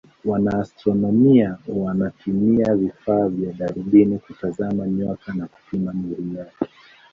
Wanaastronomia wanatumia vifaa kama darubini kutazama nyota na kupima nuru yake.